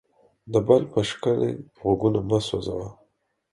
د بل په شکنې غوږونه مه سوځه.